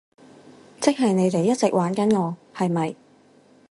即係你哋一直玩緊我，係咪？